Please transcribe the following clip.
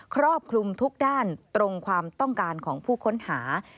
ครอบคลุมทุกด้านตรงความต้องการของผู้ค้นหา